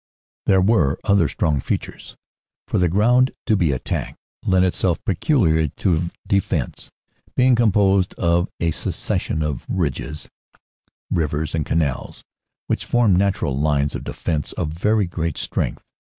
There were other strong features, for the ground to be attacked lent itself peculiarly to defense, being composed of a succession of ridges, rivers and canals, which formed natural lines of defense of very great strength.